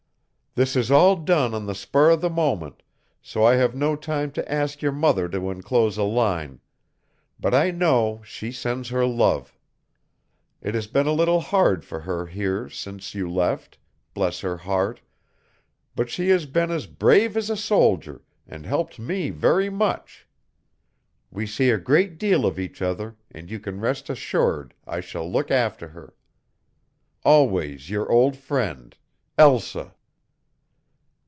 "This is all done on the spur of the moment, so I have no time to ask your mother to enclose a line. But I know she sends her love. It has been a little hard for her here since you left, bless her heart; but she has been as brave as a soldier and helped me very much. We see a great deal of each other and you can rest assured I shall look after her. "Always your old friend, "ELSA."